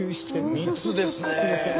密ですね。